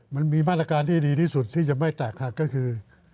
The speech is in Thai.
มันมีมาตรการที่ดีที่สุดที่จะไม่แตกหักก็คือ